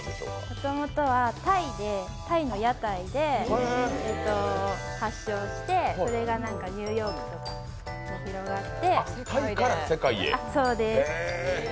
もともとはタイの屋台で発祥して、それがニューヨークとかに広がって。